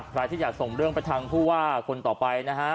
ใครที่อยากส่งเรื่องไปทางผู้ว่าคนต่อไปนะฮะ